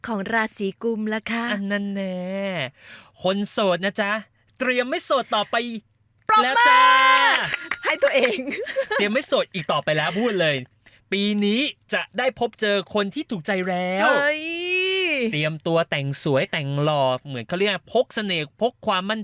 ก็สภาพคล่องเรียกว่าเรียกว่าดีมากเลยแล้วกัน